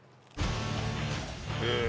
へえ。